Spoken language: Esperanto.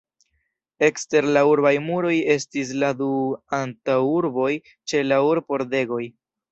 Ekster la urbaj muroj estis la du antaŭurboj ĉe la urb-pordegoj.